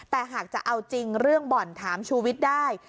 แต่หากจะเอาจริงเรื่องบ่อนถามชูวิทย์ได้